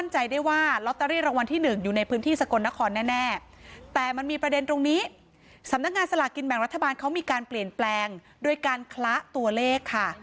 จะมีการเปลี่ยนแปลงโดยการคละตัวเลขค่ะ